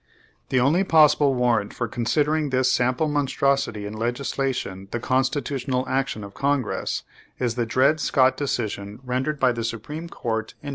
The only possible warrant for considering this sample monstrosity in legislation the "constitu tional action of Congress," is the Dred Scott decision rendered by the Supreme Court in 1857.